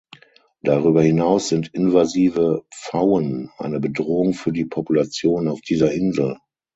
Darüber hinaus sind invasive Pfauen eine Bedrohung für die Population auf dieser Insel.